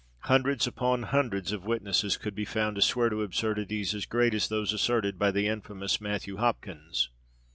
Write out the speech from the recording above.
Hundreds upon hundreds of witnesses could be found to swear to absurdities as great as those asserted by the infamous Matthew Hopkins.